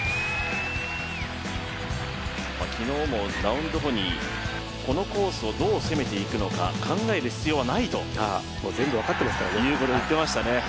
昨日もラウンド後にこのコースをどう攻めていくのか考える必要はないということ言ってましたね。